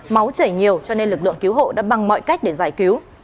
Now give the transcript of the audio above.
máu chảy nhiều cho nên lực lượng cứu hộ đã bằng mọi cách để giải cứu